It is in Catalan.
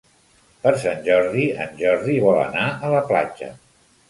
Per Sant Jordi en Jordi vol anar a la platja.